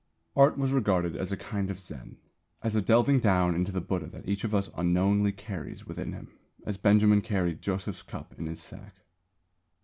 Art was regarded as a kind of Zen, as a delving down into the Buddha that each of us unknowingly carries within him, as Benjamin carried Joseph's cup in his sack.